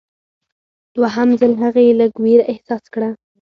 دوهم ځل هغې لږ ویره احساس کړه.